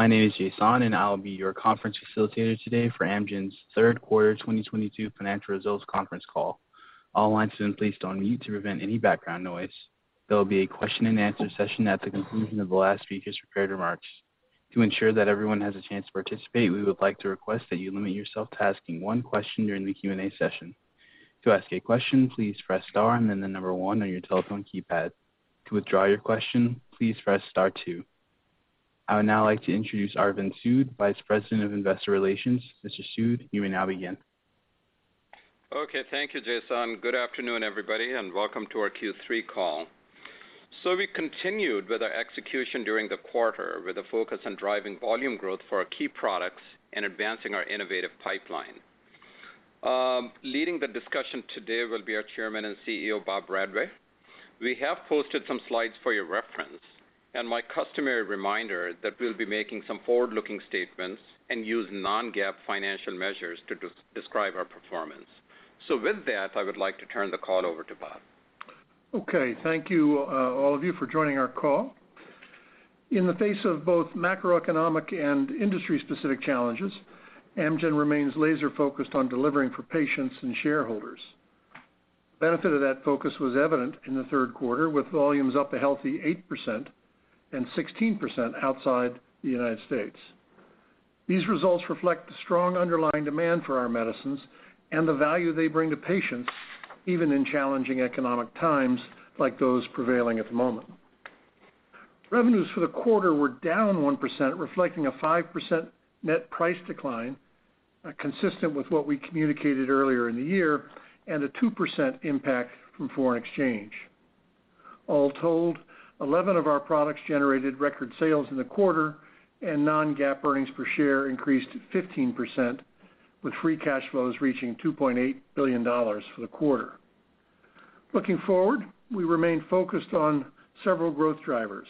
My name is Jason, and I'll be your conference facilitator today for Amgen's third quarter 2022 financial results conference call. All lines have been placed on mute to prevent any background noise. There will be a question and answer session at the conclusion of the last speaker's prepared remarks. To ensure that everyone has a chance to participate, we would like to request that you limit yourself to asking one question during the Q&A session. To ask a question, please press star and then the number one on your telephone keypad. To withdraw your question, please press star two. I would now like to introduce Arvind Sood, Vice President of Investor Relations. Mr. Sood, you may now begin. Okay. Thank you, Jason. Good afternoon, everybody, and welcome to our Q3 call. We continued with our execution during the quarter with a focus on driving volume growth for our key products and advancing our innovative pipeline. Leading the discussion today will be our chairman and CEO, Bob Bradway. We have posted some slides for your reference. My customary reminder that we'll be making some forward-looking statements and use non-GAAP financial measures to describe our performance. With that, I would like to turn the call over to Bob. Okay. Thank you, all of you for joining our call. In the face of both macroeconomic and industry-specific challenges, Amgen remains laser-focused on delivering for patients and shareholders. Benefit of that focus was evident in the third quarter, with volumes up a healthy 8% and 16% outside the United States. These results reflect the strong underlying demand for our medicines and the value they bring to patients even in challenging economic times like those prevailing at the moment. Revenues for the quarter were down 1%, reflecting a 5% net price decline, consistent with what we communicated earlier in the year, and a 2% impact from foreign exchange. All told, 11 of our products generated record sales in the quarter, and non-GAAP earnings per share increased 15%, with free cash flows reaching $2.8 billion for the quarter. Looking forward, we remain focused on several growth drivers.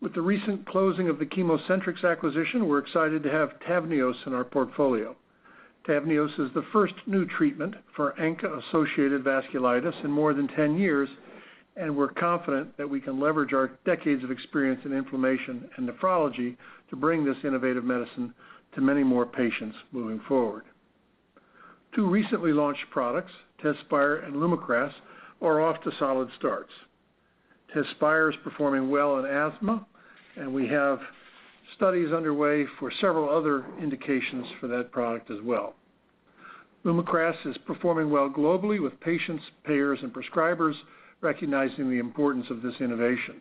With the recent closing of the ChemoCentryx acquisition, we're excited to have TAVNEOS in our portfolio. TAVNEOS is the first new treatment for ANCA-associated vasculitis in more than 10 years, and we're confident that we can leverage our decades of experience in inflammation and nephrology to bring this innovative medicine to many more patients moving forward. Two recently launched products, Tezspire and LUMAKRAS, are off to solid starts. Tezspire is performing well in asthma, and we have studies underway for several other indications for that product as well. LUMAKRAS is performing well globally with patients, payers, and prescribers, recognizing the importance of this innovation.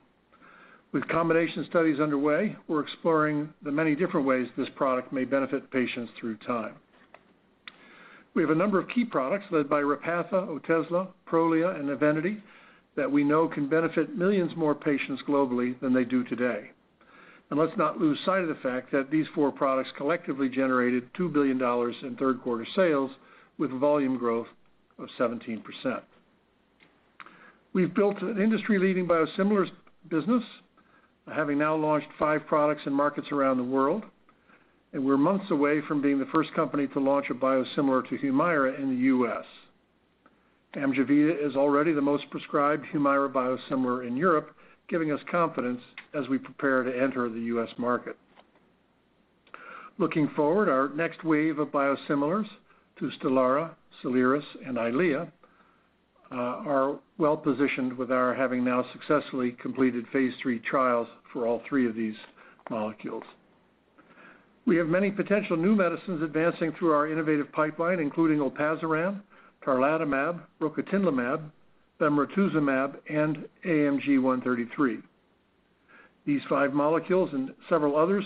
With combination studies underway, we're exploring the many different ways this product may benefit patients over time. We have a number of key products led by Repatha, Otezla, Prolia, and Evenity that we know can benefit millions more patients globally than they do today. Let's not lose sight of the fact that these four products collectively generated $2 billion in third quarter sales with volume growth of 17%. We've built an industry-leading biosimilars business, having now launched five products in markets around the world, and we're months away from being the first company to launch a biosimilar to Humira in the U.S. Amgevita is already the most prescribed Humira biosimilar in Europe, giving us confidence as we prepare to enter the U.S. market. Looking forward, our next wave of biosimilars to Stelara, Soliris, and EYLEA are well-positioned with our having now successfully completed phase 3 trials for all three of these molecules. We have many potential new medicines advancing through our innovative pipeline, including Olpasiran, Tarlatamab, Rocatinlimab, bemarituzumab, and AMG 133. These five molecules and several others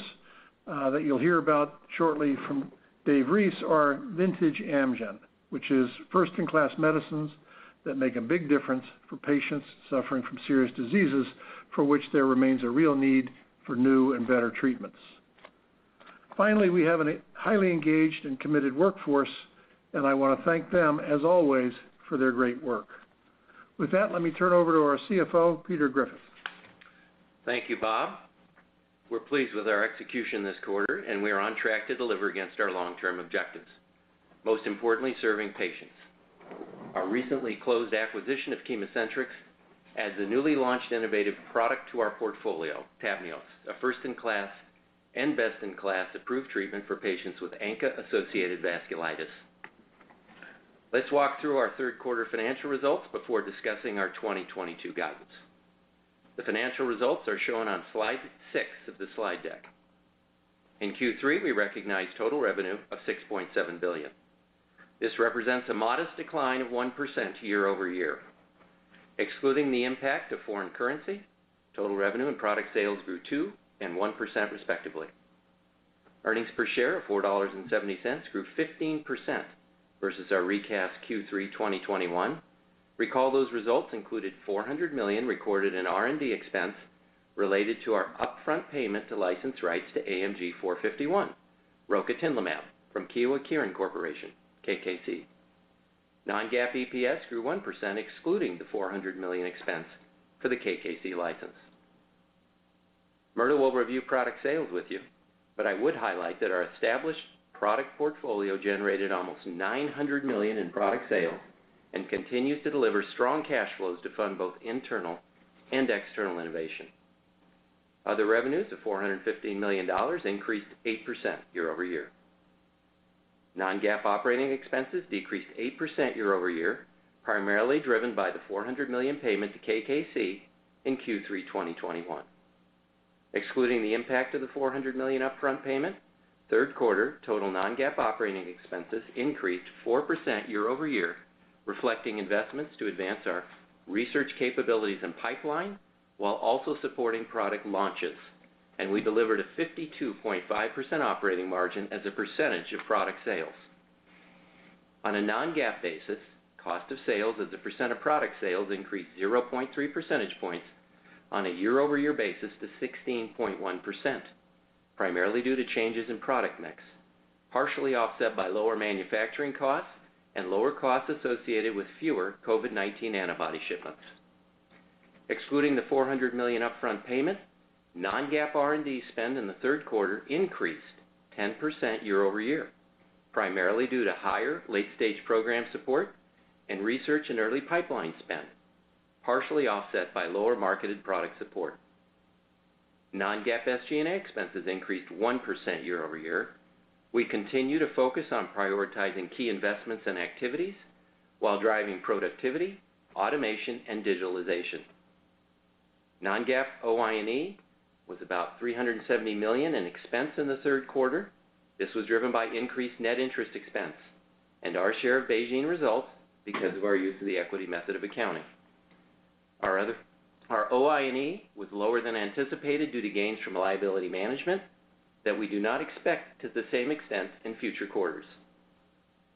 that you'll hear about shortly from David M. Reese are vintage Amgen, which is first in class medicines that make a big difference for patients suffering from serious diseases for which there remains a real need for new and better treatments. Finally, we have a highly engaged and committed workforce, and I wanna thank them, as always, for their great work. With that, let me turn over to our CFO, Peter Griffith. Thank you, Bob. We're pleased with our execution this quarter, and we are on track to deliver against our long-term objectives, most importantly, serving patients. Our recently closed acquisition of ChemoCentryx adds a newly launched innovative product to our portfolio, TAVNEOS, a first-in-class and best-in-class approved treatment for patients with ANCA-associated vasculitis. Let's walk through our third quarter financial results before discussing our 2022 guidance. The financial results are shown on slide 6 of the slide deck. In Q3, we recognized total revenue of $6.7 billion. This represents a modest decline of 1% year-over-year. Excluding the impact of foreign currency, total revenue and product sales grew 2% and 1%, respectively. Earnings per share of $4.70 grew 15% versus our recast Q3 2021. Recall those results included $400 million recorded in R&D expense related to our upfront payment to license rights to AMG 451, Rocatinlimab, from Kyowa Kirin Co., Ltd., KKC. Non-GAAP EPS grew 1%, excluding the $400 million expense for the KKC license. Murdo will review product sales with you. I would highlight that our established product portfolio generated almost $900 million in product sales and continues to deliver strong cash flows to fund both internal and external innovation. Other revenues of $415 million increased 8% year-over-year. Non-GAAP operating expenses decreased 8% year-over-year, primarily driven by the $400 million payment to KKC in Q3 2021. Excluding the impact of the $400 million upfront payment, third quarter total non-GAAP operating expenses increased 4% year-over-year, reflecting investments to advance our research capabilities and pipeline while also supporting product launches. We delivered a 52.5 operating margin as a percentage of product sales. On a non-GAAP basis, cost of sales as a percentage of product sales increased 0.3 percentage points on a year-over-year basis to 16.1%, primarily due to changes in product mix, partially offset by lower manufacturing costs and lower costs associated with fewer COVID-19 antibody shipments. Excluding the $400 million upfront payment, non-GAAP R&D spend in the third quarter increased 10% year-over-year, primarily due to higher late-stage program support and research and early pipeline spend, partially offset by lower marketed product support. Non-GAAP SG&A expenses increased 1% year-over-year. We continue to focus on prioritizing key investments and activities while driving productivity, automation and digitalization. Non-GAAP OI&E was about $370 million in expense in the third quarter. This was driven by increased net interest expense and our share of BeiGene results because of our use of the equity method of accounting. Our OI&E was lower than anticipated due to gains from liability management that we do not expect to the same extent in future quarters.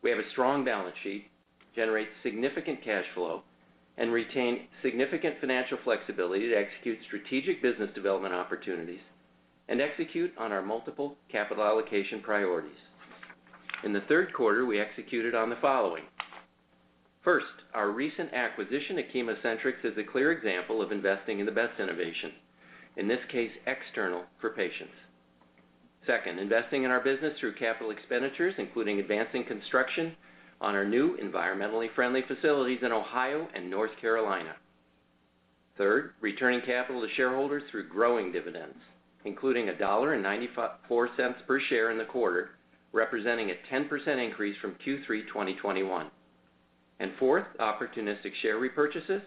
We have a strong balance sheet, generate significant cash flow, and retain significant financial flexibility to execute strategic business development opportunities and execute on our multiple capital allocation priorities. In the third quarter, we executed on the following. First, our recent acquisition of ChemoCentryx is a clear example of investing in the best innovation, in this case external for patients. Second, investing in our business through capital expenditures, including advancing construction on our new environmentally friendly facilities in Ohio and North Carolina. Third, returning capital to shareholders through growing dividends, including $1.94 per share in the quarter, representing a 10% increase from Q3 2021. Fourth, opportunistic share repurchases.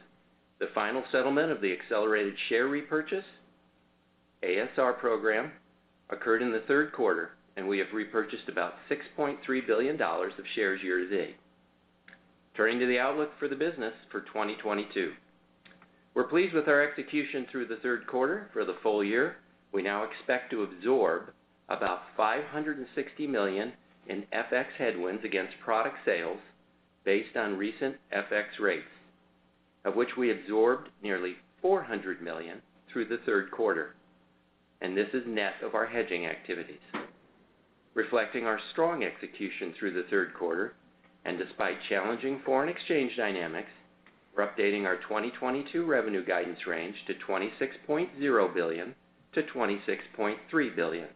The final settlement of the accelerated share repurchase, ASR program, occurred in the third quarter, and we have repurchased about $6.3 billion of shares year to date. Turning to the outlook for the business for 2022. We're pleased with our execution through the third quarter. For the full year, we now expect to absorb about $560 million in FX headwinds against product sales based on recent FX rates, of which we absorbed nearly $400 million through the third quarter, and this is net of our hedging activities. Reflecting our strong execution through the third quarter and despite challenging foreign exchange dynamics, we're updating our 2022 revenue guidance range to $26.0 billion-$26.3 billion.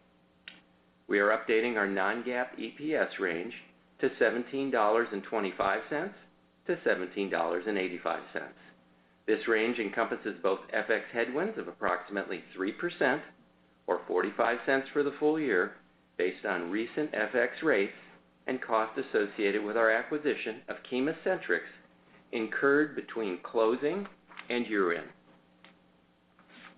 We are updating our non-GAAP EPS range to $17.25-$17.85. This range encompasses both FX headwinds of approximately 3% or $0.45 for the full year based on recent FX rates and costs associated with our acquisition of ChemoCentryx incurred between closing and year-end.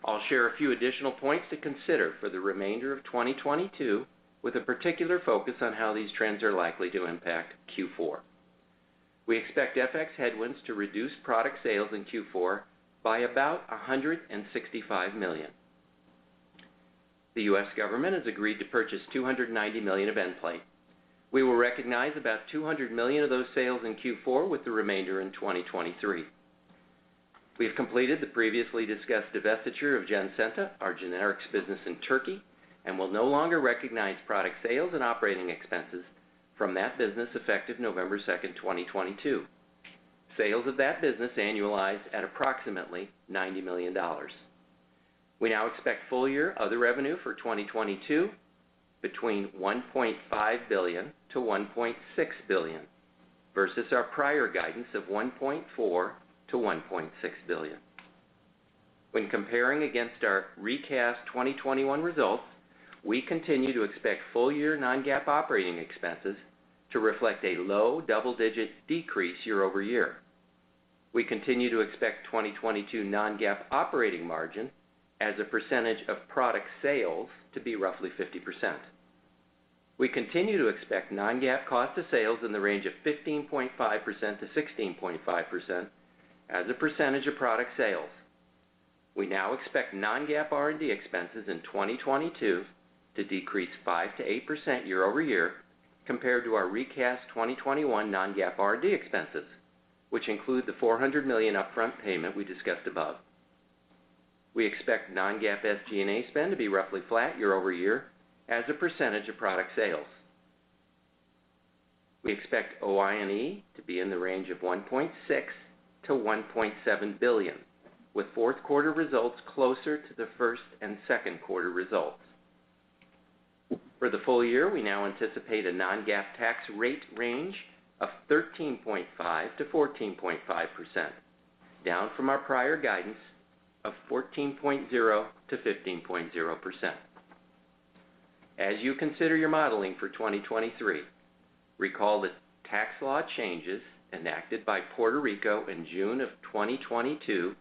I'll share a few additional points to consider for the remainder of 2022, with a particular focus on how these trends are likely to impact Q4. We expect FX headwinds to reduce product sales in Q4 by about $165 million. The US government has agreed to purchase $290 million of Nplate. We will recognize about $200 million of those sales in Q4, with the remainder in 2023. We have completed the previously discussed divestiture of Gensenta, our generics business in Turkey, and will no longer recognize product sales and operating expenses from that business effective November 2, 2022. Sales of that business annualized at approximately $90 million. We now expect full year other revenue for 2022 between $1.5 billion-$1.6 billion versus our prior guidance of $1.4 billion-$1.6 billion. When comparing against our recast 2021 results, we continue to expect full year non-GAAP operating expenses to reflect a low double-digit decrease year-over-year. We continue to expect 2022 non-GAAP operating margin as a percentage of product sales to be roughly 50%. We continue to expect non-GAAP cost of sales in the range of 15.5%-16.5% as a percentage of product sales. We now expect non-GAAP R&D expenses in 2022 to decrease 5%-8% year-over-year compared to our recast 2021 non-GAAP R&D expenses, which include the $400 million upfront payment we discussed above. We expect non-GAAP SG&A spend to be roughly flat year-over-year as a percentage of product sales. We expect OI&E to be in the range of $1.6 billion-$1.7 billion, with fourth quarter results closer to the first and second quarter results. For the full year, we now anticipate a non-GAAP tax rate range of 13.5%-14.5%, down from our prior guidance of 14.0%-15.0%. As you consider your modeling for 2023, recall that tax law changes enacted by Puerto Rico in June of 2022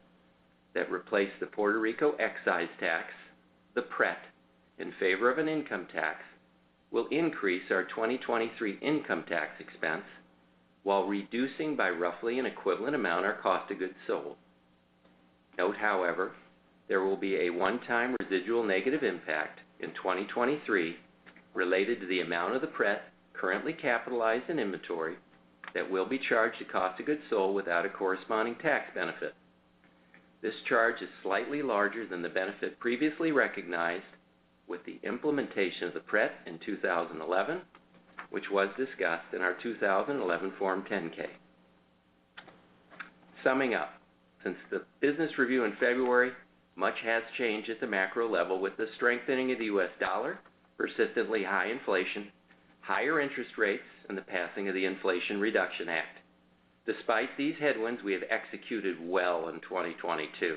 that replaced the Puerto Rico excise tax, the PRET, in favor of an income tax, will increase our 2023 income tax expense while reducing by roughly an equivalent amount our cost of goods sold. Note, however, there will be a one-time residual negative impact in 2023 related to the amount of the PRET currently capitalized in inventory that will be charged to cost of goods sold without a corresponding tax benefit. This charge is slightly larger than the benefit previously recognized with the implementation of the PRET in 2011, which was discussed in our 2011 Form 10-K. Summing up, since the business review in February, much has changed at the macro level with the strengthening of the U.S. dollar, persistently high inflation, higher interest rates, and the passing of the Inflation Reduction Act. Despite these headwinds, we have executed well in 2022.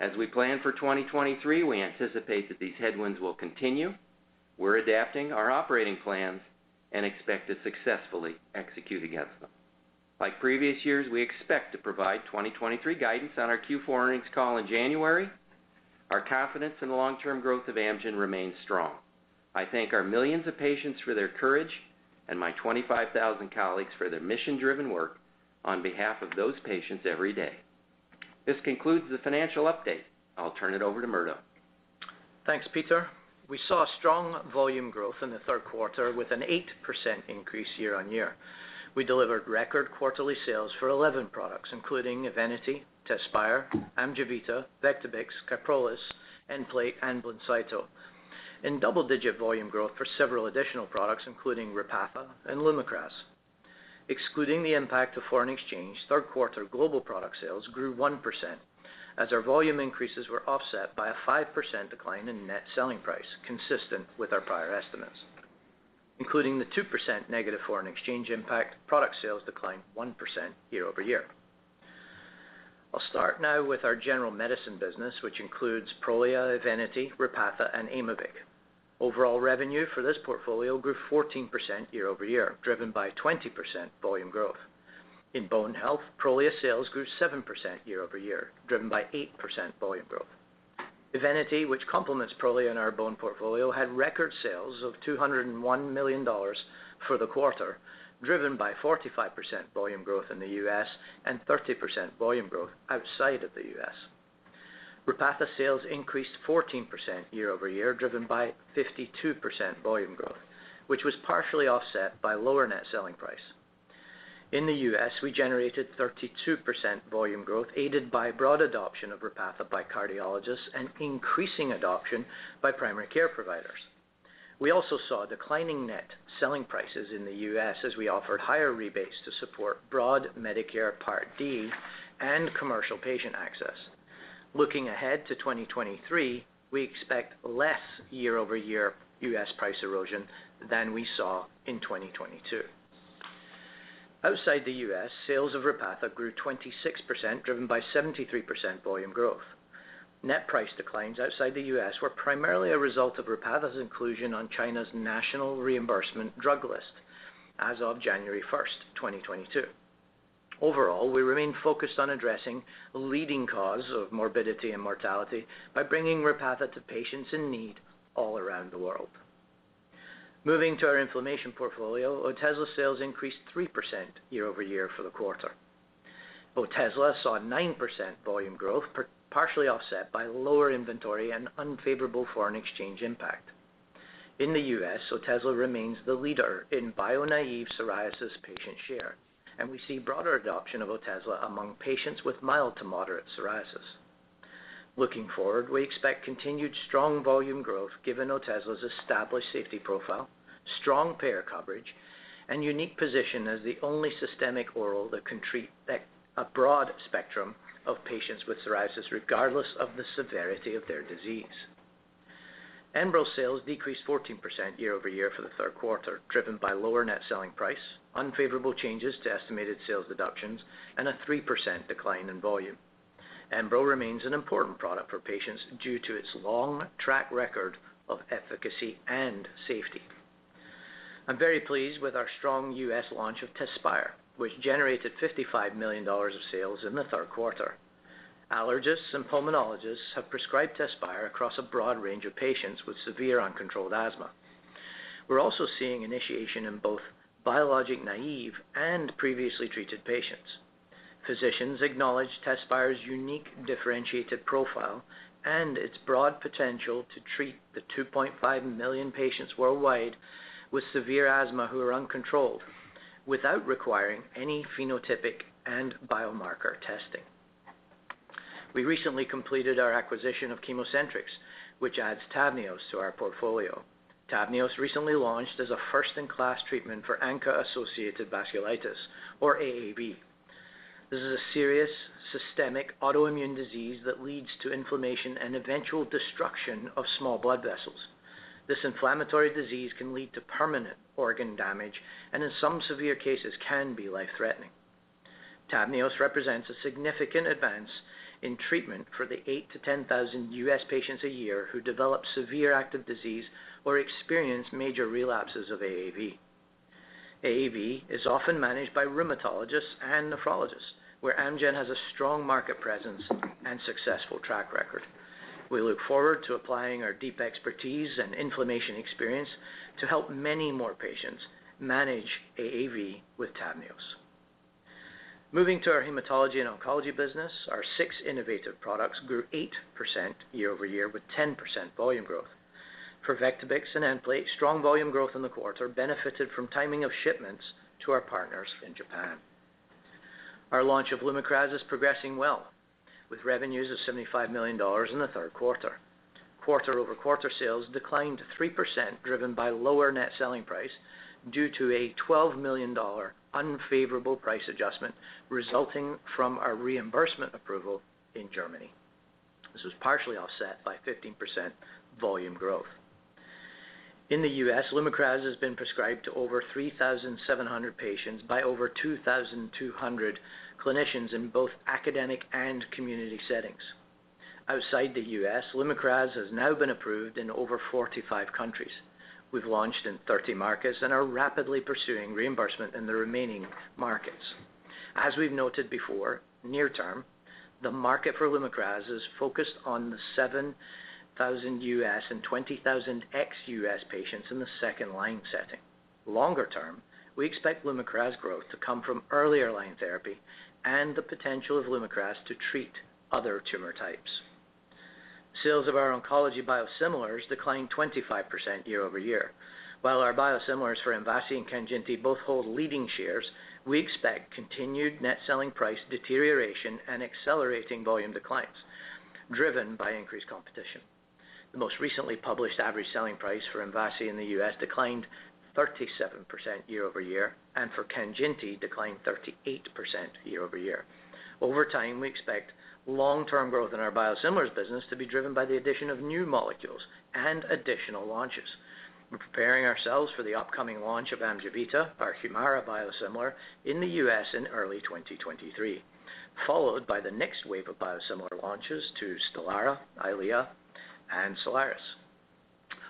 As we plan for 2023, we anticipate that these headwinds will continue. We're adapting our operating plans and expect to successfully execute against them. Like previous years, we expect to provide 2023 guidance on our Q4 earnings call in January. Our confidence in the long-term growth of Amgen remains strong. I thank our millions of patients for their courage and my 25,000 colleagues for their mission-driven work on behalf of those patients every day. This concludes the financial update. I'll turn it over to Murdo. Thanks, Peter. We saw strong volume growth in the third quarter with an 8% increase year-over-year. We delivered record quarterly sales for 11 products, including Evenity, Tezspire, Amjevita, Vectibix, Kyprolis, Nplate, and BLINCYTO, and double-digit volume growth for several additional products, including Repatha and LUMAKRAS. Excluding the impact of foreign exchange, third quarter global product sales grew 1% as our volume increases were offset by a 5% decline in net selling price, consistent with our prior estimates. Including the 2% negative foreign exchange impact, product sales declined 1% year-over-year. I'll start now with our general medicine business, which includes Prolia, Evenity, Repatha, and Aimovig. Overall revenue for this portfolio grew 14% year-over-year, driven by 20% volume growth. In bone health, Prolia sales grew 7% year-over-year, driven by 8% volume growth. Evenity, which complements Prolia in our bone portfolio, had record sales of $201 million for the quarter, driven by 45% volume growth in the U.S. and 30% volume growth outside of the U.S. Repatha sales increased 14% year-over-year, driven by 52% volume growth, which was partially offset by lower net selling price. In the U.S., we generated 32% volume growth, aided by broad adoption of Repatha by cardiologists and increasing adoption by primary care providers. We also saw declining net selling prices in the U.S. as we offered higher rebates to support broad Medicare Part D and commercial patient access. Looking ahead to 2023, we expect less year-over-year U.S. price erosion than we saw in 2022. Outside the U.S., sales of Repatha grew 26%, driven by 73% volume growth. Net price declines outside the U.S. were primarily a result of Repatha's inclusion on China's National Reimbursement Drug List as of January 1, 2022. Overall, we remain focused on addressing the leading cause of morbidity and mortality by bringing Repatha to patients in need all around the world. Moving to our inflammation portfolio, Otezla sales increased 3% year-over-year for the quarter. Otezla saw 9% volume growth, partially offset by lower inventory and unfavorable foreign exchange impact. In the U.S., Otezla remains the leader in bio-naive psoriasis patient share, and we see broader adoption of Otezla among patients with mild to moderate psoriasis. Looking forward, we expect continued strong volume growth given Otezla's established safety profile, strong payer coverage, and unique position as the only systemic oral that can treat a broad spectrum of patients with psoriasis, regardless of the severity of their disease. Enbrel sales decreased 14% year-over-year for the third quarter, driven by lower net selling price, unfavorable changes to estimated sales deductions, and a 3% decline in volume. Enbrel remains an important product for patients due to its long track record of efficacy and safety. I'm very pleased with our strong U.S. launch of Tezspire, which generated $55 million of sales in the third quarter. Allergists and pulmonologists have prescribed Tezspire across a broad range of patients with severe uncontrolled asthma. We're also seeing initiation in both biologic-naive and previously treated patients. Physicians acknowledge Tezspire's unique differentiated profile and its broad potential to treat the 2.5 million patients worldwide with severe asthma who are uncontrolled without requiring any phenotypic and biomarker testing. We recently completed our acquisition of ChemoCentryx, which adds TAVNEOS to our portfolio. TAVNEOS recently launched as a first-in-class treatment for ANCA-associated vasculitis, or AAV. This is a serious systemic autoimmune disease that leads to inflammation and eventual destruction of small blood vessels. This inflammatory disease can lead to permanent organ damage, and in some severe cases can be life-threatening. TAVNEOS represents a significant advance in treatment for the 8,000-10,000 U.S. patients a year who develop severe active disease or experience major relapses of AAV. AAV is often managed by rheumatologists and nephrologists, where Amgen has a strong market presence and successful track record. We look forward to applying our deep expertise and inflammation experience to help many more patients manage AAV with TAVNEOS. Moving to our hematology and oncology business, our 6 innovative products grew 8% year-over-year with 10% volume growth. Vectibix and Nplate, strong volume growth in the quarter benefited from timing of shipments to our partners in Japan. Our launch of Lumakras is progressing well, with revenues of $75 million in the third quarter. Quarter-over-quarter sales declined 3%, driven by lower net selling price due to a $12 million unfavorable price adjustment resulting from our reimbursement approval in Germany. This was partially offset by 15% volume growth. In the U.S., Lumakras has been prescribed to over 3,700 patients by over 2,200 clinicians in both academic and community settings. Outside the U.S., Lumakras has now been approved in over 45 countries. We've launched in 30 markets and are rapidly pursuing reimbursement in the remaining markets. As we've noted before, near term, the market for LUMAKRAS is focused on the 7,000 U.S. and 20,000 ex-U.S. patients in the second-line setting. Longer term, we expect LUMAKRAS growth to come from earlier line therapy and the potential of LUMAKRAS to treat other tumor types. Sales of our oncology biosimilars declined 25% year-over-year. While our biosimilars for MVASI and KANJINTI both hold leading shares, we expect continued net selling price deterioration and accelerating volume declines driven by increased competition. The most recently published average selling price for MVASI in the U.S. declined 37% year-over-year, and for KANJINTI declined 38% year-over-year. Over time, we expect long-term growth in our biosimilars business to be driven by the addition of new molecules and additional launches. We're preparing ourselves for the upcoming launch of Amjevita, our Humira biosimilar, in the U.S. in early 2023, followed by the next wave of biosimilar launches to Stelara, EYLEA, and Soliris.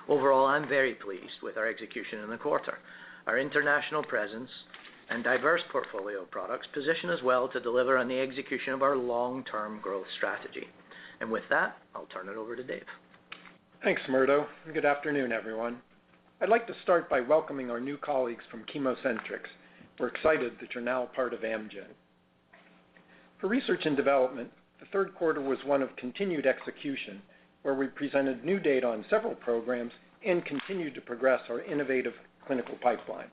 Overall, I'm very pleased with our execution in the quarter. Our international presence and diverse portfolio of products position us well to deliver on the execution of our long-term growth strategy. With that, I'll turn it over to Dave. Thanks, Murdo, and good afternoon, everyone. I'd like to start by welcoming our new colleagues from ChemoCentryx. We're excited that you're now part of Amgen. For research and development, the third quarter was one of continued execution, where we presented new data on several programs and continued to progress our innovative clinical pipeline.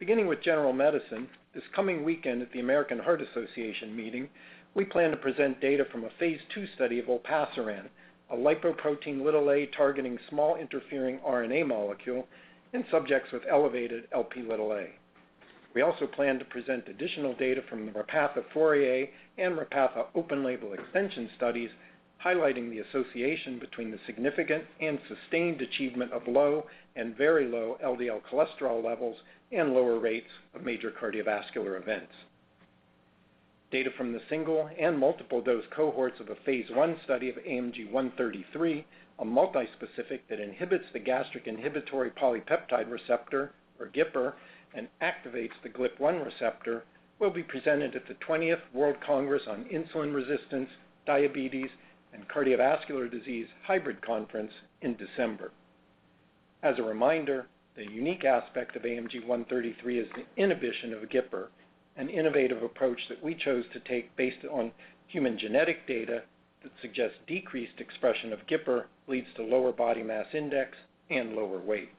Beginning with general medicine, this coming weekend at the American Heart Association meeting, we plan to present data from a phase 2 study of Olpasiran, a lipoprotein little A targeting small interfering RNA molecule in subjects with elevated LP little A. We also plan to present additional data from the Repatha FOURIER and Repatha open label extension studies, highlighting the association between the significant and sustained achievement of low and very low LDL cholesterol levels and lower rates of major cardiovascular events. Data from the single and multiple dose cohorts of a Phase 1 study of AMG 133, a multispecific that inhibits the gastric inhibitory polypeptide receptor, or GIPR, and activates the GLP-1 receptor, will be presented at the 20th World Congress on Insulin Resistance, Diabetes, and Cardiovascular Disease Hybrid Conference in December. As a reminder, the unique aspect of AMG 133 is the inhibition of GIPR, an innovative approach that we chose to take based on human genetic data that suggests decreased expression of GIPR leads to lower body mass index and lower weight.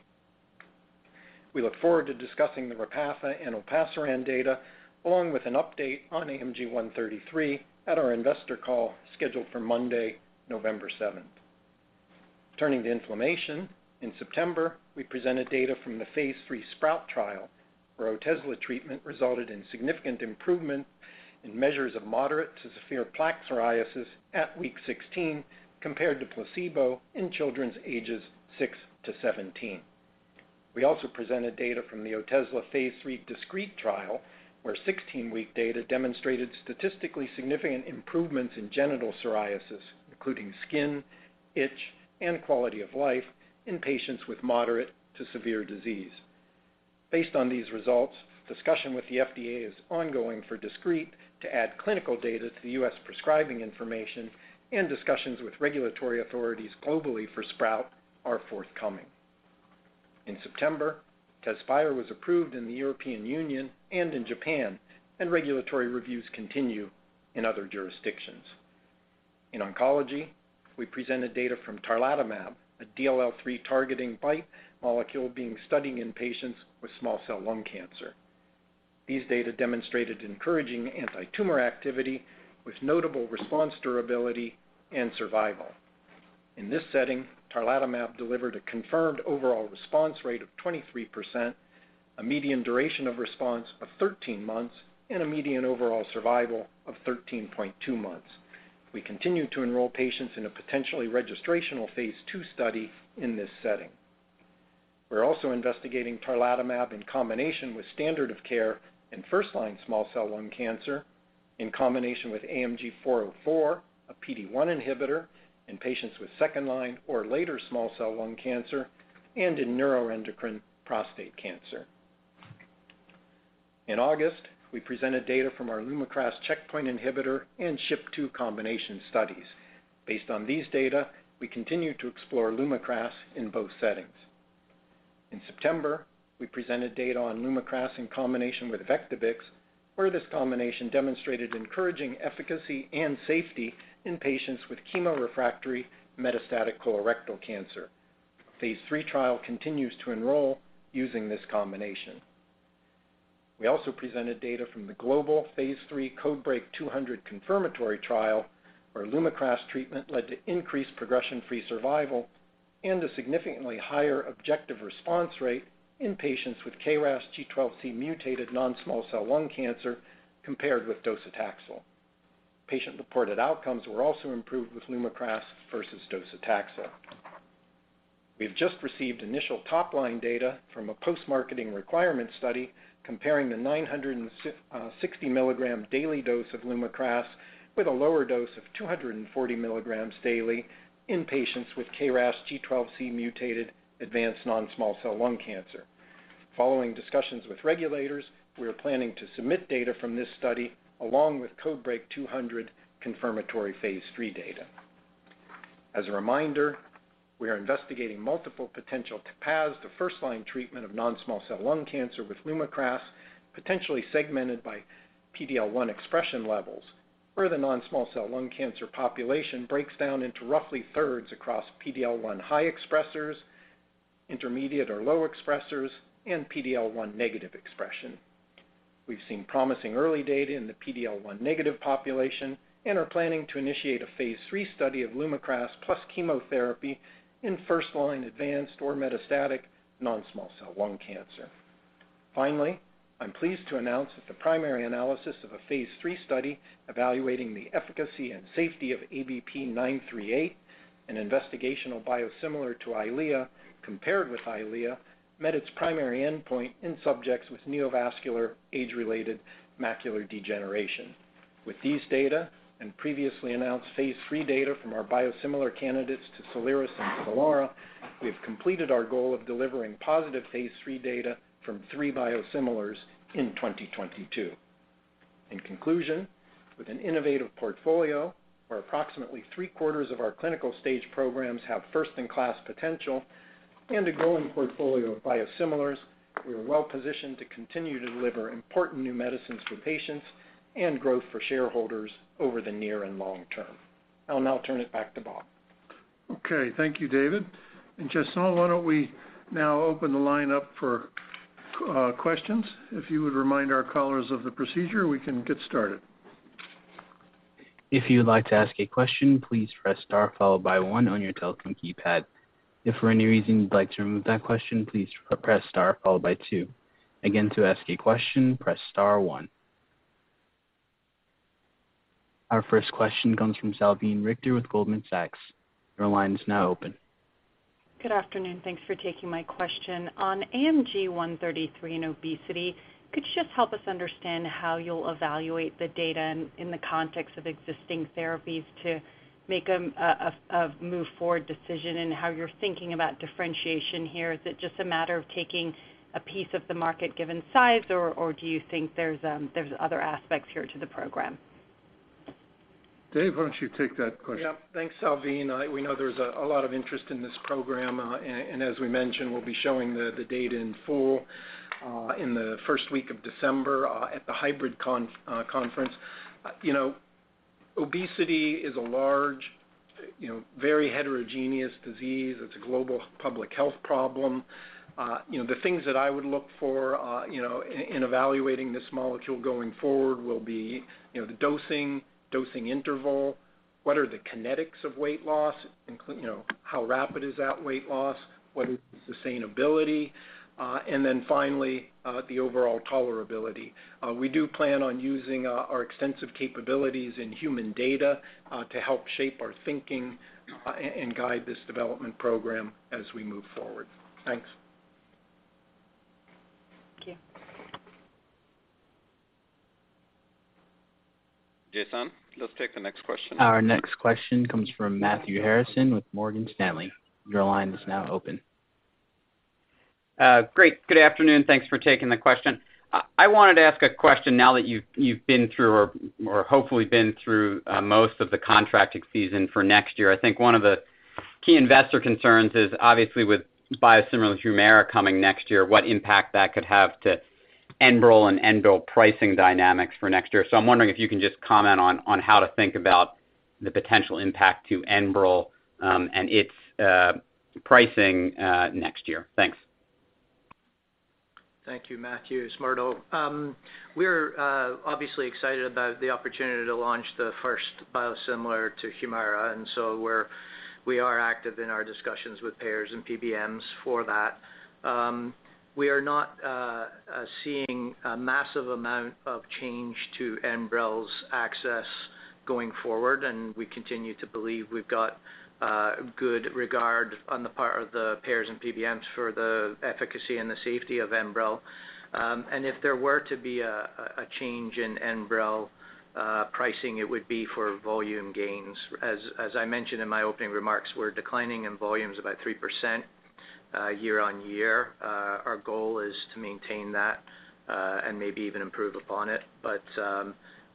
We look forward to discussing the Repatha and Olpasiran data, along with an update on AMG 133 at our investor call scheduled for Monday, November 7. Turning to inflammation, in September, we presented data from the phase 3 SPROUT trial where Otezla treatment resulted in significant improvement in measures of moderate to severe plaque psoriasis at week 16 compared to placebo in children's ages 6 to 17. We also presented data from the Otezla phase 3 DISCREET trial, where 16-week data demonstrated statistically significant improvements in genital psoriasis, including skin, itch, and quality of life in patients with moderate to severe disease. Based on these results, discussion with the FDA is ongoing for DISCREET to add clinical data to the U.S. prescribing information and discussions with regulatory authorities globally for SPROUT are forthcoming. In September, Tezspire was approved in the European Union and in Japan, and regulatory reviews continue in other jurisdictions. In oncology, we presented data from tarlatamab, a DLL3-targeting BiTE molecule being studied in patients with small cell lung cancer. These data demonstrated encouraging antitumor activity with notable response durability and survival. In this setting, Tarlatamab delivered a confirmed overall response rate of 23%, a median duration of response of 13 months, and a median overall survival of 13.2 months. We continue to enroll patients in a potentially registrational phase 2 study in this setting. We're also investigating Tarlatamab in combination with standard of care in first-line small cell lung cancer in combination with AMG 404, a PD-1 inhibitor in patients with second-line or later small cell lung cancer, and in neuroendocrine prostate cancer. In August, we presented data from our LUMAKRAS, checkpoint inhibitor, and SHP2 combination studies. Based on these data, we continue to explore LUMAKRAS in both settings. In September, we presented data on LUMAKRAS in combination with Vectibix, where this combination demonstrated encouraging efficacy and safety in patients with chemo-refractory metastatic colorectal cancer. Phase 3 trial continues to enroll using this combination. We also presented data from the global phase 3 CodeBreaK 200 confirmatory trial, where LUMAKRAS treatment led to increased progression-free survival and a significantly higher objective response rate in patients with KRAS G12C mutated non-small cell lung cancer compared with docetaxel. Patient-reported outcomes were also improved with LUMAKRAS versus docetaxel. We've just received initial top-line data from a post-marketing requirement study comparing the 960-milligram daily dose of LUMAKRAS with a lower dose of 240 milligrams daily in patients with KRAS G12C mutated advanced non-small cell lung cancer. Following discussions with regulators, we are planning to submit data from this study along with CodeBreaK 200 confirmatory phase 3 data. As a reminder, we are investigating multiple potential paths to first-line treatment of non-small cell lung cancer with LUMAKRAS, potentially segmented by PD-L1 expression levels, where the non-small cell lung cancer population breaks down into roughly thirds across PD-L1 high expressers, intermediate or low expressers, and PD-L1 negative expression. We've seen promising early data in the PD-L1 negative population and are planning to initiate a phase 3 study of LUMAKRAS plus chemotherapy in first-line advanced or metastatic non-small cell lung cancer. Finally, I'm pleased to announce that the primary analysis of a phase 3 study evaluating the efficacy and safety of ABP-938, an investigational biosimilar to EYLEA, compared with EYLEA, met its primary endpoint in subjects with neovascular age-related macular degeneration. With these data and previously announced phase 3 data from our biosimilar candidates to Soliris and Stelara, we've completed our goal of delivering positive phase 3 data from three biosimilars in 2022. In conclusion, with an innovative portfolio where approximately three-quarters of our clinical stage programs have first-in-class potential and a growing portfolio of biosimilars, we are well positioned to continue to deliver important new medicines for patients and growth for shareholders over the near and long term. I'll now turn it back to Bob. Okay. Thank you, David. Jason, why don't we now open the line up for questions? If you would remind our callers of the procedure, we can get started. If you would like to ask a question, please press star followed by one on your telephone keypad. If for any reason you'd like to remove that question, please press star followed by two. Again, to ask a question, press star one. Our first question comes from Salveen Richter with Goldman Sachs. Your line is now open. Good afternoon. Thanks for taking my question. On AMG 133 and obesity, could you just help us understand how you'll evaluate the data in the context of existing therapies to make a move forward decision and how you're thinking about differentiation here? Is it just a matter of taking a piece of the market given size, or do you think there's other aspects here to the program? Dave, why don't you take that question? Yeah. Thanks, Salveen. We know there's a lot of interest in this program, and as we mentioned, we'll be showing the data in full in the first week of December at the hybrid conference. You know, obesity is a large, you know, very heterogeneous disease. It's a global public health problem. You know, the things that I would look for, you know, in evaluating this molecule going forward will be, you know, the dosing interval, what are the kinetics of weight loss, you know, how rapid is that weight loss, what is sustainability, and then finally the overall tolerability. We do plan on using our extensive capabilities in human data to help shape our thinking and guide this development program as we move forward. Thanks. Thank you. Jason, let's take the next question. Our next question comes from Matthew Harrison with Morgan Stanley. Your line is now open. Great. Good afternoon. Thanks for taking the question. I wanted to ask a question now that you've been through or hopefully been through most of the contracting season for next year. I think one of the key investor concerns is obviously with biosimilar Humira coming next year, what impact that could have to Enbrel pricing dynamics for next year. I'm wondering if you can just comment on how to think about the potential impact to Enbrel and its pricing next year. Thanks. Thank you, Matthew. It's Murdo. We're obviously excited about the opportunity to launch the first biosimilar to Humira. We are active in our discussions with payers and PBMs for that. We are not seeing a massive amount of change to Enbrel's access going forward, and we continue to believe we've got good regard on the part of the payers and PBMs for the efficacy and the safety of Enbrel. If there were to be a change in Enbrel pricing, it would be for volume gains. As I mentioned in my opening remarks, we're declining in volumes about 3% year-over-year. Our goal is to maintain that and maybe even improve upon it.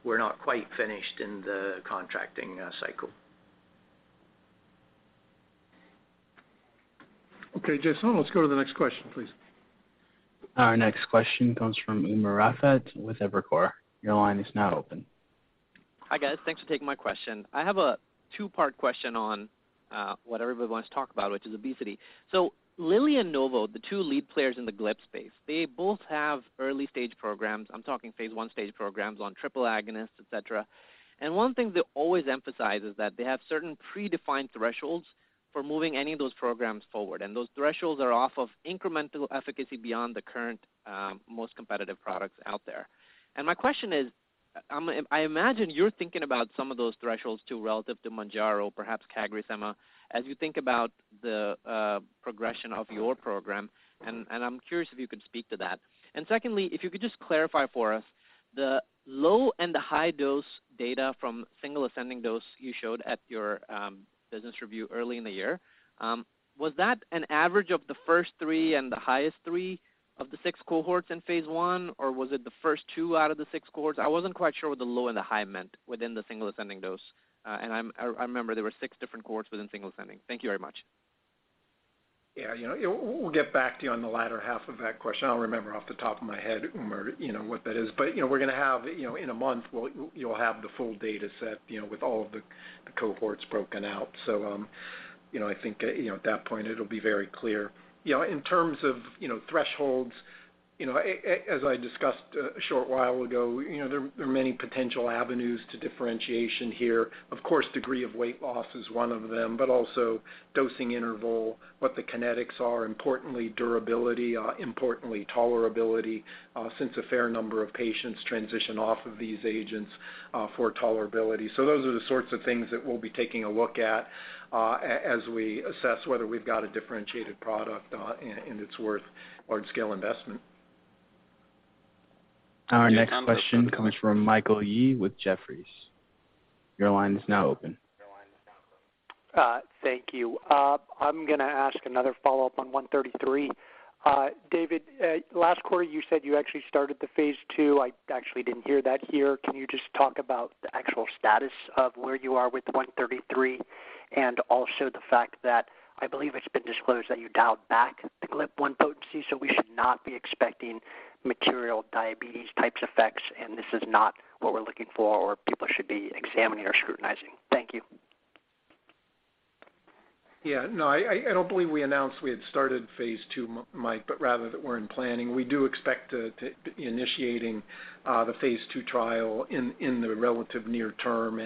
We're not quite finished in the contracting cycle. Okay, Jason, let's go to the next question, please. Our next question comes from Umer Raffat with Evercore. Your line is now open. Hi, guys. Thanks for taking my question. I have a two-part question on what everybody wants to talk about, which is obesity. Lilly and Novo, the two lead players in the GLP space, they both have early-stage programs. I'm talking phase 1 stage programs on triple agonist, et cetera. One thing they always emphasize is that they have certain predefined thresholds for moving any of those programs forward, and those thresholds are off of incremental efficacy beyond the current, most competitive products out there. My question is, I imagine you're thinking about some of those thresholds, too, relative to Mounjaro, perhaps CagriSema, as you think about the progression of your program, and I'm curious if you could speak to that. Secondly, if you could just clarify for us the low and the high dose data from single ascending dose you showed at your business review early in the year. Was that an average of the first three and the highest three of the six cohorts in phase 1, or was it the first two out of the six cohorts? I wasn't quite sure what the low and the high meant within the single ascending dose. I remember there were six different cohorts within single ascending. Thank you very much. Yeah. You know, we'll get back to you on the latter half of that question. I don't remember off the top of my head, Umer, you know, what that is. You know, we're gonna have, you know, in a month, you'll have the full data set, you know, with all of the cohorts broken out. You know, I think, you know, at that point, it'll be very clear. You know, in terms of, you know, thresholds, you know, as I discussed a short while ago, you know, there are many potential avenues to differentiation here. Of course, degree of weight loss is one of them, but also dosing interval, what the kinetics are, importantly, durability, importantly, tolerability, since a fair number of patients transition off of these agents, for tolerability. Those are the sorts of things that we'll be taking a look at, as we assess whether we've got a differentiated product, and it's worth large scale investment. Our next question comes from Michael Yee with Jefferies. Your line is now open. Thank you. I'm gonna ask another follow-up on 133. David, last quarter, you said you actually started the phase 2. I actually didn't hear that here. Can you just talk about the actual status of where you are with 133 and also the fact that I believe it's been disclosed that you dialed back the GLP-1 potency, so we should not be expecting material diabetes-type effects, and this is not what we're looking for or people should be examining or scrutinizing. Thank you. Yeah. No, I don't believe we announced we had started phase 2, Mike, but rather that we're in planning. We do expect to be initiating the phase 2 trial in the relative near term.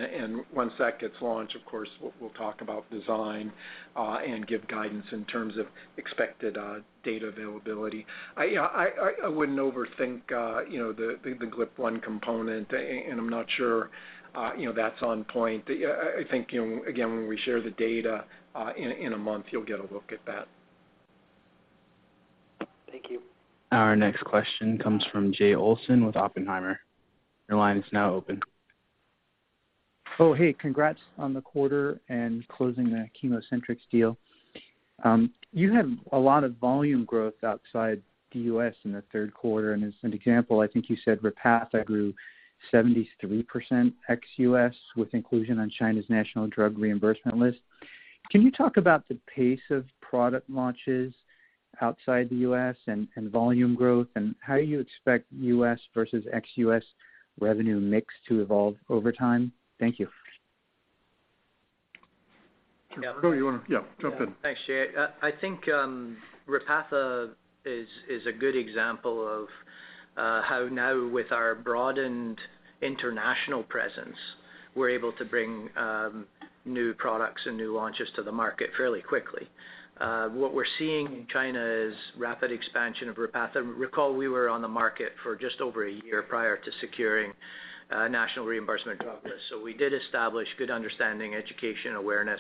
Once that gets launched, of course, we'll talk about design and give guidance in terms of expected data availability. I wouldn't overthink you know the GLP-1 component, and I'm not sure you know that's on point. I think you know again, when we share the data in a month, you'll get a look at that. Thank you. Our next question comes from Jay Olson with Oppenheimer. Your line is now open. Oh, hey, congrats on the quarter and closing the ChemoCentryx deal. You have a lot of volume growth outside the U.S. in the third quarter, and as an example, I think you said Repatha grew 73% ex-U.S. with inclusion on China's National Reimbursement Drug List. Can you talk about the pace of product launches outside the U.S. and volume growth, and how you expect U.S. versus ex-U.S. revenue mix to evolve over time? Thank you. Yeah. Yeah. Jump in. Thanks, Jay. I think Repatha is a good example of how now with our broadened international presence, we're able to bring new products and new launches to the market fairly quickly. What we're seeing in China is rapid expansion of Repatha. Recall, we were on the market for just over a year prior to securing a National Reimbursement Drug List. We did establish good understanding, education, awareness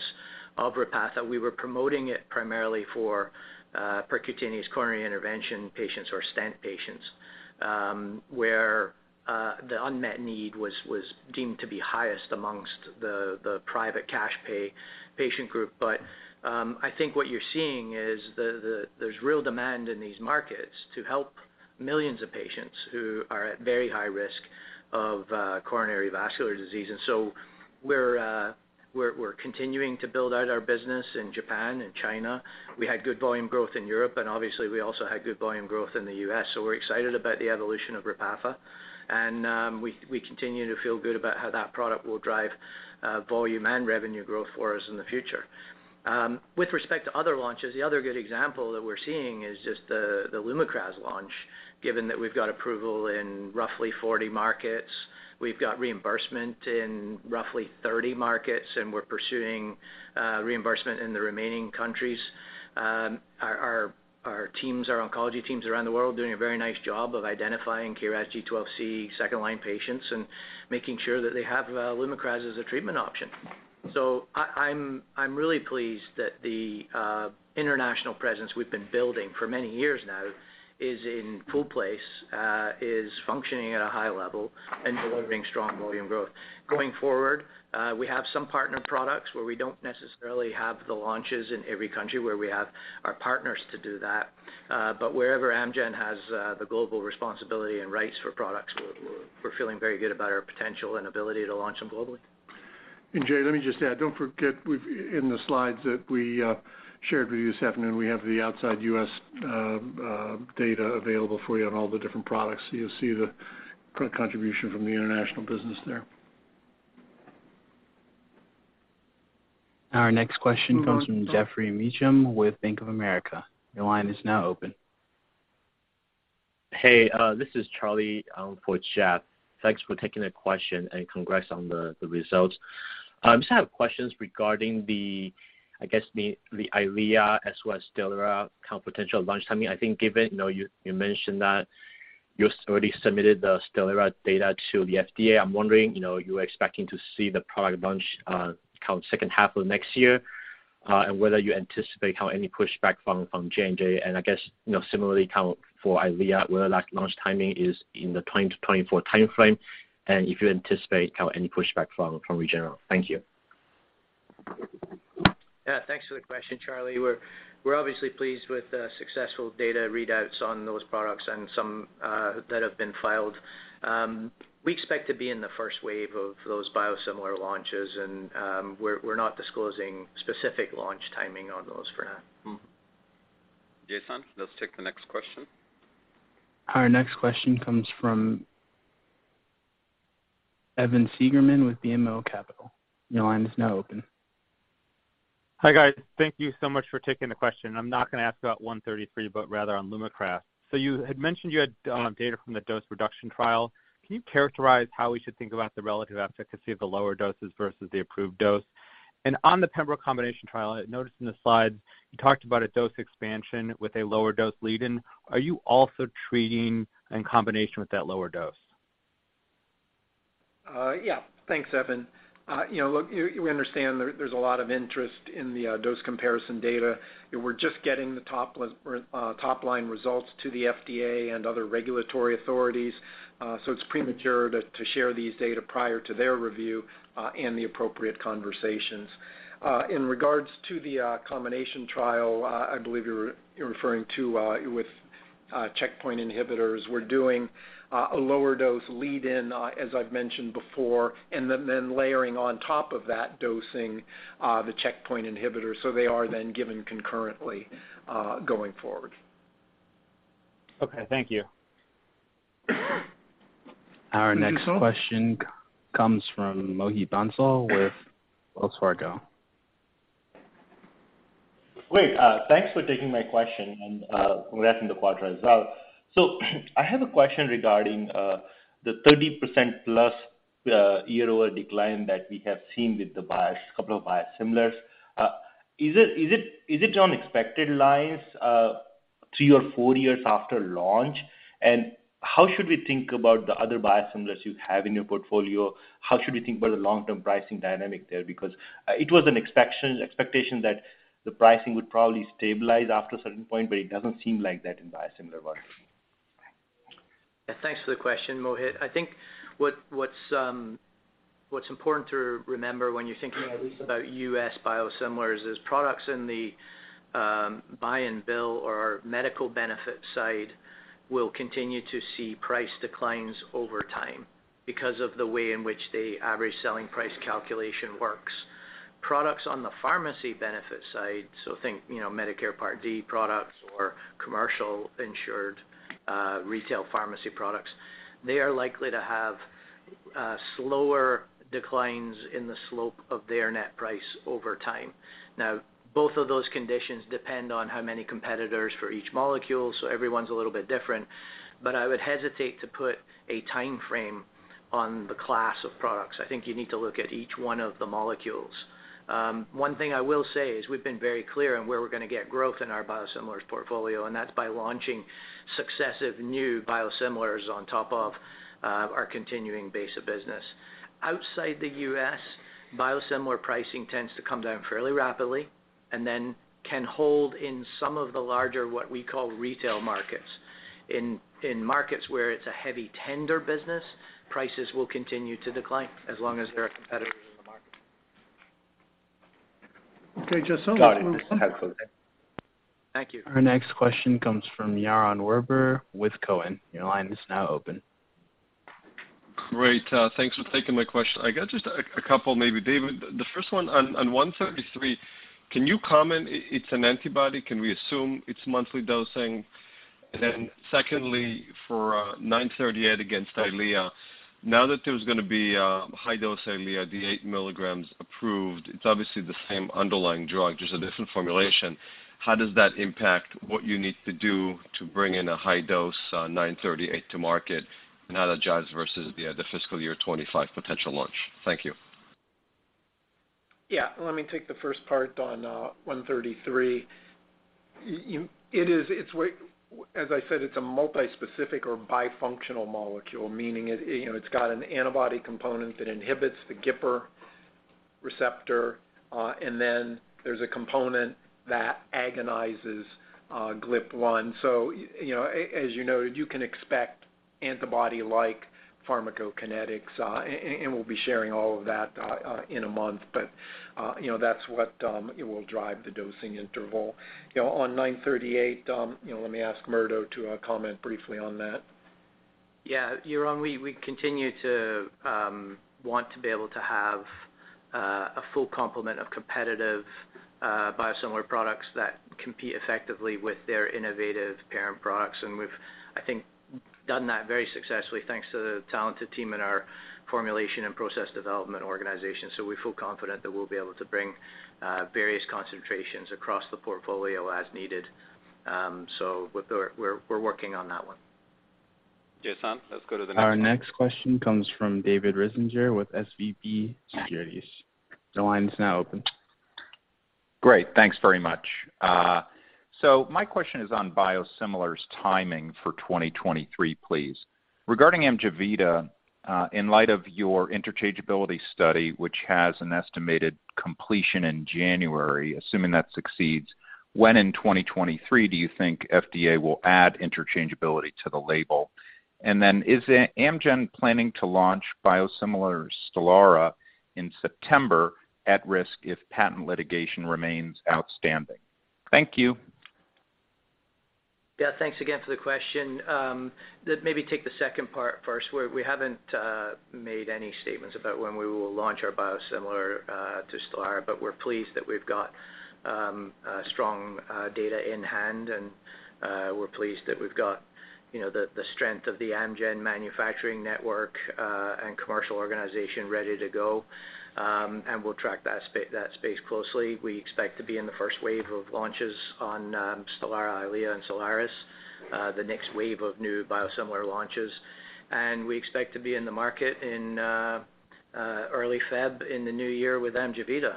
of Repatha. We were promoting it primarily for percutaneous coronary intervention patients or stent patients, where the unmet need was deemed to be highest amongst the private cash pay patient group. I think what you're seeing is that there's real demand in these markets to help millions of patients who are at very high risk of cardiovascular disease. We're continuing to build out our business in Japan and China. We had good volume growth in Europe, and obviously we also had good volume growth in the U.S. We're excited about the evolution of Repatha. We continue to feel good about how that product will drive volume and revenue growth for us in the future. With respect to other launches, the other good example that we're seeing is just the Lumakras launch, given that we've got approval in roughly 40 markets. We've got reimbursement in roughly 30 markets, and we're pursuing reimbursement in the remaining countries. Our teams, our oncology teams around the world doing a very nice job of identifying KRAS G12C second line patients and making sure that they have Lumakras as a treatment option. I'm really pleased that the international presence we've been building for many years now is in full place, is functioning at a high level and delivering strong volume growth. Going forward, we have some partner products where we don't necessarily have the launches in every country, where we have our partners to do that. Wherever Amgen has the global responsibility and rights for products, we're feeling very good about our potential and ability to launch them globally. Jay, let me just add, don't forget in the slides that we shared with you this afternoon, we have the outside U.S. data available for you on all the different products. You'll see the pro-contribution from the international business there. Our next question comes from Geoff Meacham, with Bank of America. Your line is now open. Hey, this is Charlie for Jeff. Thanks for taking the question and congrats on the results. Just have questions regarding the, I guess, the EYLEA as well as Stelara kind of potential launch timing. I think given, you know, you mentioned that you already submitted the Stelara data to the FDA. I'm wondering, you know, you are expecting to see the product launch kind of second half of next year, and whether you anticipate any pushback from J&J. I guess, you know, similarly kind of for EYLEA, where that launch timing is in the 2020-2024 timeframe, and if you anticipate any pushback from Regeneron. Thank you. Yeah, thanks for the question, Charlie. We're obviously pleased with the successful data readouts on those products and some that have been filed. We expect to be in the first wave of those biosimilar launches, and we're not disclosing specific launch timing on those for now. Mm-hmm. Jason, let's take the next question. Our next question comes from Evan Seigerman with BMO Capital Markets. Your line is now open. Hi, guys. Thank you so much for taking the question. I'm not gonna ask about 133, but rather on LUMAKRAS. You had mentioned you had data from the dose reduction trial. Can you characterize how we should think about the relative efficacy of the lower doses versus the approved dose? On the pembrolizumab combination trial, I noticed in the slides you talked about a dose expansion with a lower dose lead-in. Are you also treating in combination with that lower dose? Yeah. Thanks, Evan. You know, look, we understand there's a lot of interest in the dose comparison data. We're just getting the top-line results to the FDA and other regulatory authorities, so it's premature to share these data prior to their review and the appropriate conversations. In regards to the combination trial, I believe you're referring to with checkpoint inhibitors. We're doing a lower dose lead-in, as I've mentioned before, and then layering on top of that dosing the checkpoint inhibitors, so they are then given concurrently going forward. Okay, thank you. Our next question comes from Mohit Bansal with Wells Fargo. Great. Thanks for taking my question, and congrats on the quarter as well. I have a question regarding the 30%+ year-over-year decline that we have seen with the couple of biosimilars. Is it on expected lines three or four years after launch? How should we think about the other biosimilars you have in your portfolio? How should we think about the long-term pricing dynamic there? Because it was an expectation that the pricing would probably stabilize after a certain point, but it doesn't seem like that in the biosimilar world. Thanks for the question, Mohit. I think what's important to remember when you're thinking at least about U.S. biosimilars is products in the buy and bill or medical benefit side will continue to see price declines over time because of the way in which the average selling price calculation works. Products on the pharmacy benefit side, so think, you know, Medicare Part D products or commercial insured retail pharmacy products, they are likely to have slower declines in the slope of their net price over time. Now, both of those conditions depend on how many competitors for each molecule, so every one's a little bit different. I would hesitate to put a timeframe on the class of products. I think you need to look at each one of the molecules. One thing I will say is we've been very clear on where we're gonna get growth in our biosimilars portfolio, and that's by launching successive new biosimilars on top of our continuing base of business. Outside the U.S., biosimilar pricing tends to come down fairly rapidly, and then can hold in some of the larger what we call retail markets. In markets where it's a heavy tender business, prices will continue to decline as long as there are competitors in the market. Okay, just Got it. That's helpful. Thank you. Our next question comes from Yaron Werber with Cowen. Your line is now open. Great, thanks for taking my question. I got just a couple maybe, David. The first one on 133, can you comment it's an antibody, can we assume it's monthly dosing? And then secondly, for 938 against EYLEA, now that there's gonna be high dose EYLEA, the eight milligrams approved, it's obviously the same underlying drug, just a different formulation. How does that impact what you need to do to bring in a high dose 938 to market? And how that drives versus the fiscal year 2025 potential launch? Thank you. Yeah. Let me take the first part on AMG 133. As I said, it's a multi-specific or bifunctional molecule, meaning it, you know, it's got an antibody component that inhibits the GIPR receptor, and then there's a component that agonizes GLP-1. So you know, as you noted, you can expect antibody-like pharmacokinetics, and we'll be sharing all of that in a month. You know, that's what will drive the dosing interval. You know, on ABP 938, you know, let me ask Murdo to comment briefly on that. Yeah. Yaron, we continue to want to be able to have a full complement of competitive biosimilar products that compete effectively with their innovative parent products. We've, I think, done that very successfully thanks to the talented team in our formulation and process development organization. We feel confident that we'll be able to bring various concentrations across the portfolio as needed. We're working on that one. Yes, sir. Let's go to the next one. Our next question comes from David Risinger with SVB Securities. Your line is now open. Great. Thanks very much. My question is on biosimilars timing for 2023, please. Regarding Amjevita, in light of your interchangeability study, which has an estimated completion in January, assuming that succeeds, when in 2023 do you think FDA will add interchangeability to the label? Is Amgen planning to launch biosimilar Stelara in September at risk if patent litigation remains outstanding? Thank you. Yeah. Thanks again for the question. Let maybe take the second part first. We haven't made any statements about when we will launch our biosimilar to Stelara, but we're pleased that we've got strong data in hand, and we're pleased that we've got, you know, the strength of the Amgen manufacturing network and commercial organization ready to go. We'll track that space closely. We expect to be in the first wave of launches on Stelara, Eylea, and Soliris, the next wave of new biosimilar launches. We expect to be in the market in early February in the new year with Amjevita.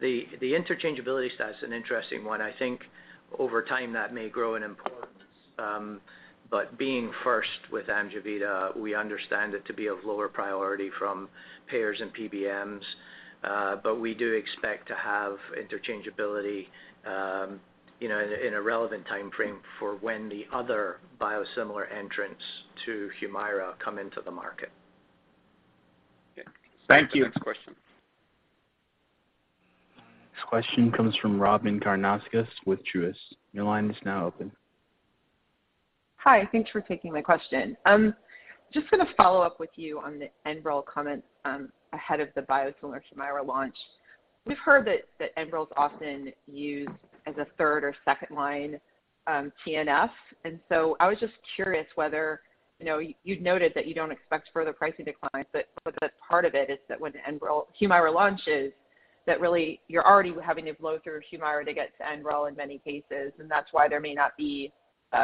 The interchangeability study is an interesting one. I think over time, that may grow in importance. Being first with Amjevita, we understand it to be of lower priority from payers and PBMs, but we do expect to have interchangeability, you know, in a relevant timeframe for when the other biosimilar entrants to Humira come into the market. Okay. Thank you. Next question. This question comes from Robyn Karnauskas with Truist. Your line is now open. Hi. Thanks for taking my question. Just gonna follow up with you on the Enbrel comment ahead of the biosimilar Humira launch. We've heard that Enbrel is often used as a third or second line TNF. I was just curious whether, you know, you'd noted that you don't expect further pricing declines, but that part of it is that when Humira launches, that really, you're already having to blow through Humira to get to Enbrel in many cases, and that's why there may not be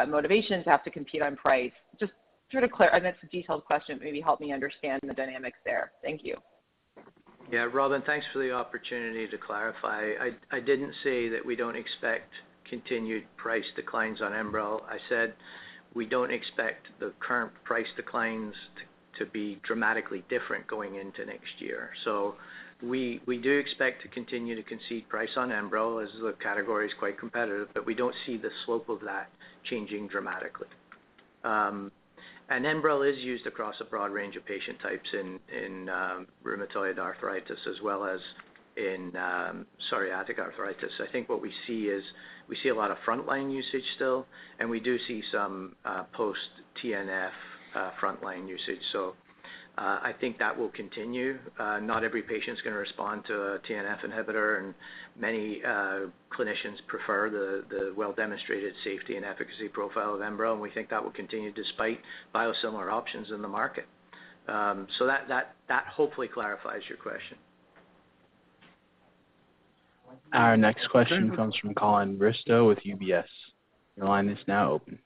motivation to have to compete on price. I know it's a detailed question, but maybe help me understand the dynamics there. Thank you. Yeah. Robyn, thanks for the opportunity to clarify. I didn't say that we don't expect continued price declines on Enbrel. I said we don't expect the current price declines to be dramatically different going into next year. We do expect to continue to concede price on Enbrel as the category is quite competitive, but we don't see the slope of that changing dramatically. Enbrel is used across a broad range of patient types in rheumatoid arthritis as well as in psoriatic arthritis. I think what we see is we see a lot of frontline usage still, and we do see some post-TNF frontline usage. I think that will continue. Not every patient is gonna respond to a TNF inhibitor, and many clinicians prefer the well-demonstrated safety and efficacy profile of Enbrel, and we think that will continue despite biosimilar options in the market. That hopefully clarifies your question. Our next question comes from Colin Bristow with UBS. Your line is now open.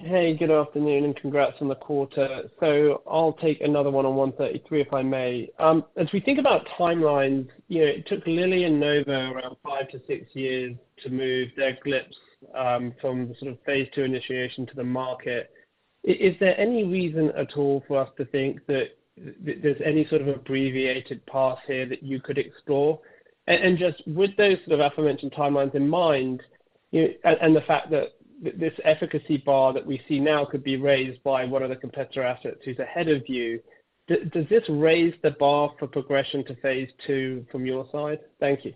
Hey, good afternoon, and congrats on the quarter. I'll take another AMG 133, if I may. As we think about timelines, you know, it took Lilly and Novo around 5-6 years to move their GLPs from the sort of phase 2 initiation to the market. Is there any reason at all for us to think that there's any sort of abbreviated path here that you could explore? Just with those sort of aforementioned timelines in mind. Yeah, the fact that this efficacy bar that we see now could be raised by one of the competitor assets who's ahead of you. Does this raise the bar for progression to phase 2 from your side? Thank you.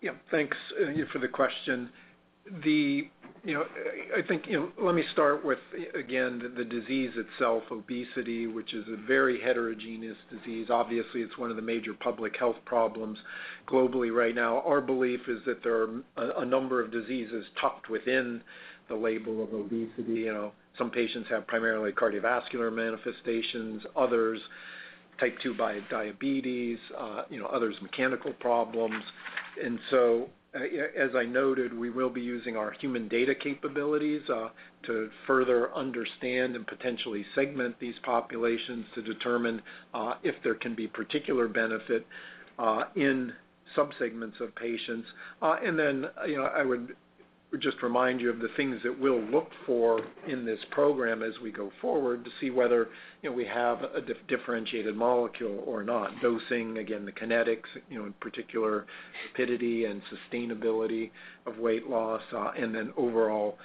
Yeah. Thank you for the question. You know, I think, you know, let me start again with the disease itself, obesity, which is a very heterogeneous disease. Obviously, it's one of the major public health problems globally right now. Our belief is that there are a number of diseases tucked within the label of obesity. You know, some patients have primarily cardiovascular manifestations, others type 2 diabetes, you know, others mechanical problems. As I noted, we will be using our human data capabilities to further understand and potentially segment these populations to determine if there can be particular benefit in subsegments of patients. You know, I would just remind you of the things that we'll look for in this program as we go forward to see whether, you know, we have a differentiated molecule or not. Dosing, again, the kinetics, you know, in particular rapidity and sustainability of weight loss, and then overall,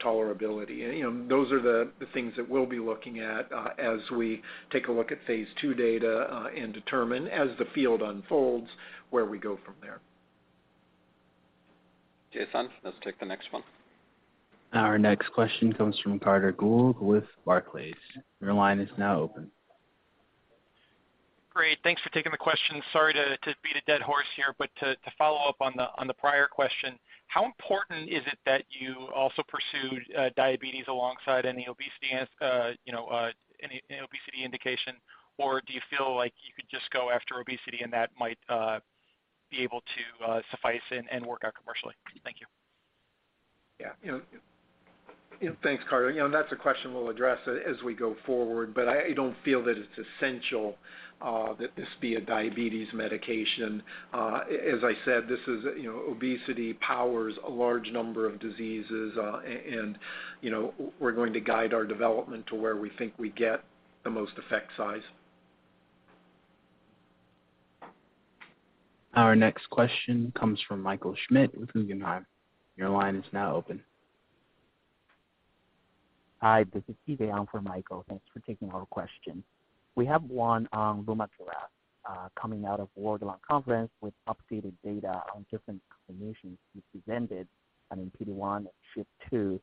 tolerability. You know, those are the things that we'll be looking at, as we take a look at phase 2 data, and determine as the field unfolds, where we go from there. Jason, let's take the next one. Our next question comes from Carter Gould with Barclays. Your line is now open. Great. Thanks for taking the question. Sorry to beat a dead horse here, but to follow up on the prior question, how important is it that you also pursue diabetes alongside any obesity you know any obesity indication? Or do you feel like you could just go after obesity and that might be able to suffice and work out commercially? Thank you. Yeah. You know. Yeah. Thanks, Carter. You know, that's a question we'll address as we go forward, but I don't feel that it's essential that this be a diabetes medication. As I said, this is, you know, obesity powers a large number of diseases, and you know, we're going to guide our development to where we think we get the most effect size. Our next question comes from Michael Schmidt with Guggenheim. Your line is now open. Hi, this is Hiba on for Michael. Thanks for taking our question. We have one on LUMAKRAS coming out of World Conference on Lung Cancer with updated data on different combinations you presented on PD-1 and SHP2.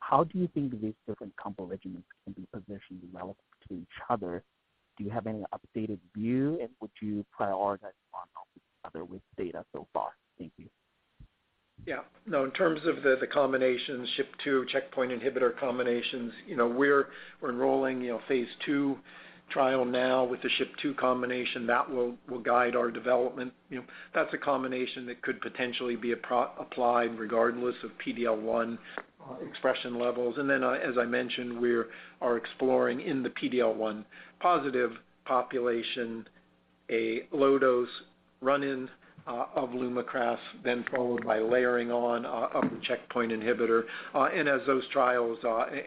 How do you think these different combo regimens can be positioned relative to each other? Do you have any updated view, and would you prioritize one over the other with data so far? Thank you. Yeah. No, in terms of the combinations, SHP2 checkpoint inhibitor combinations, you know, we're enrolling, you know, phase 2 trial now with the SHP2 combination. That will guide our development. You know, that's a combination that could potentially be applied regardless of PD-L1 expression levels. As I mentioned, we're exploring in the PD-L1 positive population, a low dose run-in of LUMAKRAS, then followed by layering on a checkpoint inhibitor. As those trials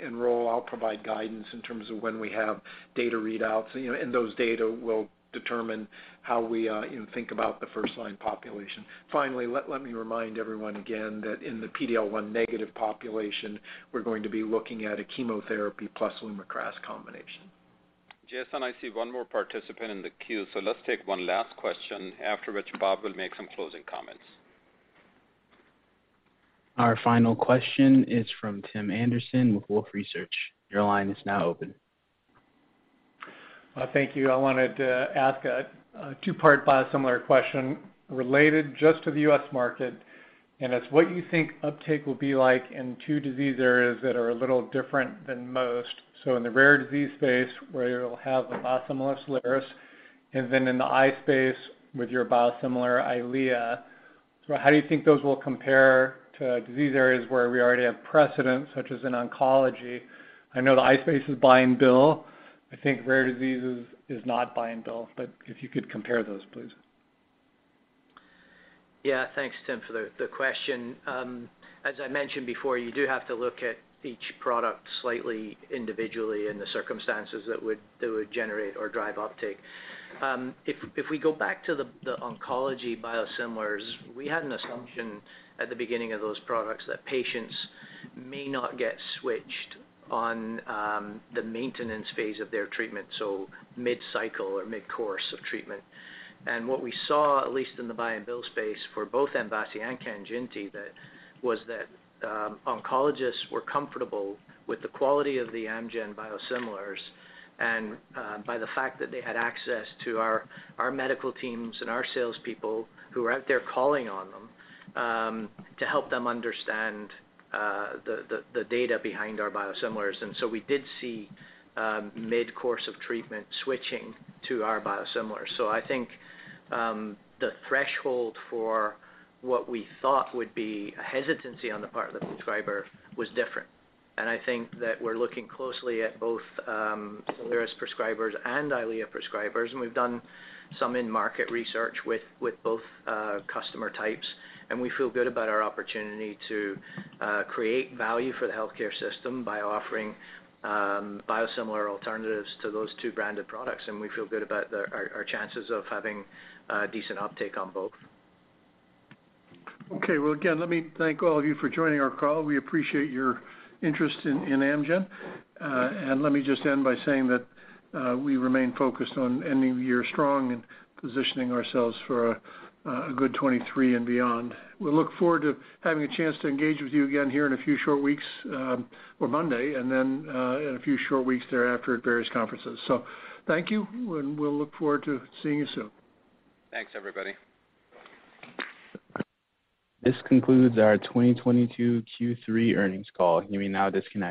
enroll, I'll provide guidance in terms of when we have data readouts. You know, those data will determine how we think about the first line population. Finally, let me remind everyone again that in the PD-L1 negative population, we're going to be looking at a chemotherapy plus LUMAKRAS combination. Jason, I see one more participant in the queue, so let's take one last question, after which Bob will make some closing comments. Our final question is from Tim Anderson with Wolfe Research. Your line is now open. Thank you. I wanted to ask a two-part biosimilar question related just to the U.S. market, and it's what you think uptake will be like in two disease areas that are a little different than most. In the rare disease space, where you'll have the biosimilar Soliris, and then in the eye space with your biosimilar EYLEA. How do you think those will compare to disease areas where we already have precedents, such as in oncology? I know the eye space is buy and bill. I think rare diseases is not buy and bill, but if you could compare those, please. Yeah. Thanks, Tim, for the question. As I mentioned before, you do have to look at each product slightly individually in the circumstances that would generate or drive uptake. If we go back to the oncology biosimilars, we had an assumption at the beginning of those products that patients may not get switched on the maintenance phase of their treatment, so mid-cycle or mid-course of treatment. What we saw, at least in the buy and bill space for both MVASI and KANJINTI, was that oncologists were comfortable with the quality of the Amgen biosimilars, and by the fact that they had access to our medical teams and our salespeople who were out there calling on them to help them understand the data behind our biosimilars. We did see mid-course of treatment switching to our biosimilars. I think the threshold for what we thought would be a hesitancy on the part of the prescriber was different. I think that we're looking closely at both Soliris prescribers and EYLEA prescribers, and we've done some in-market research with both customer types, and we feel good about our opportunity to create value for the healthcare system by offering biosimilar alternatives to those two branded products. We feel good about our chances of having a decent uptake on both. Okay. Well, again, let me thank all of you for joining our call. We appreciate your interest in Amgen. Let me just end by saying that we remain focused on ending the year strong and positioning ourselves for a good 2023 and beyond. We look forward to having a chance to engage with you again here in a few short weeks or Monday, and then in a few short weeks thereafter at various conferences. Thank you, and we'll look forward to seeing you soon. Thanks, everybody. This concludes our 2022 Q3 earnings call. You may now disconnect.